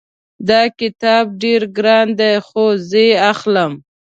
دغه کتاب ډېر ګران ده خو زه یې اخلم